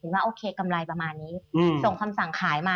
ว่าโอเคกำไรประมาณนี้ส่งคำสั่งขายมา